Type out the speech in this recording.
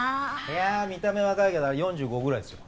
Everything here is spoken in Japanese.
いや見た目若いけどあれ４５ぐらいですよ。